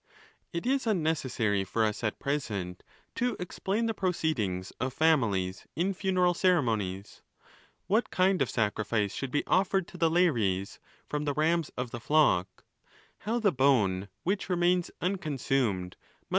it is unnecessary for us at present. to explain the pro + ceedings of families in funeral ceremonies, what kind of sacrifice should be offered to the lares, from the rams of the flock—how the bone which remains idemeeireiail must.